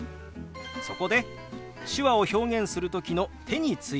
そこで手話を表現する時の手についてです。